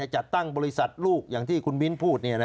จะตั้งบริษัทลูกอย่างที่คุณมินพูดเนี่ยละ